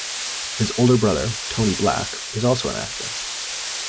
His older brother, Tony Black, is also an actor.